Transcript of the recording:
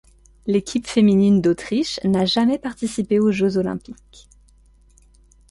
L'équipe féminine d'Autriche n'a jamais participé aux Jeux olympiques.